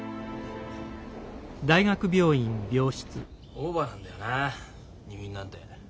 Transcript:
オーバーなんだよな入院なんて。